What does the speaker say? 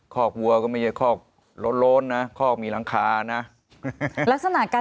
คอกวัวก็ไม่ใช่คอกโล้นโล้นนะคอกมีหลังคานะลักษณะการ